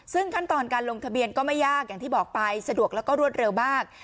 ซึ่งขั้นตอนการลงทะเบียนก็ไม่ยากอย่างที่บอกไปสะดวกแล้วก็รวดเร็วมาก